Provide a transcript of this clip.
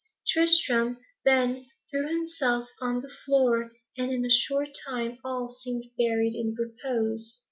Tristram then threw himself on the floor, and in a short time all seemed buried in repose.